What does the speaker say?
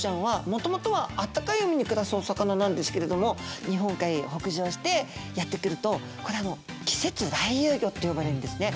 もともとはあったかい海に暮らすお魚なんですけれども日本海北上してやって来るとこれ「季節来遊魚」と呼ばれるんですね。